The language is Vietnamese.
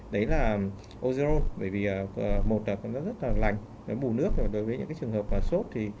đấy là osero bởi vì một là cảm giác rất là lành nó bù nước và đối với những cái trường hợp sốt thì